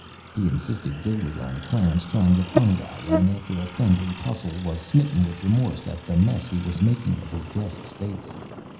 He insisted gaily on Clarence trying the fungi, and, after a friendly tussle, was smitten with remorse at the mess he was making of his guest's face.